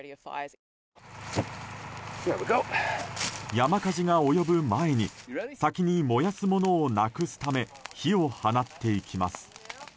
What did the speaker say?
山火事が及ぶ前に先に燃やすものをなくすため火を放っていきます。